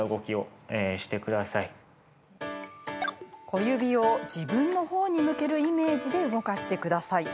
小指を自分のほうに向けるイメージで動かしてください。